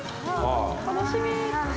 楽しみ。